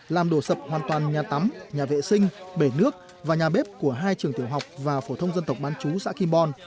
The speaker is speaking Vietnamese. làm đổ sập hoàn toàn nhà tắm nhà vệ sinh bể nước và nhà bếp của hai trường tiểu học và phổ thông dân tộc bán chú xã kim bon